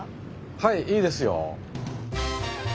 はいいいですよ。